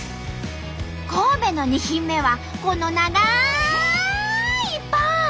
神戸の２品目はこの長いパン！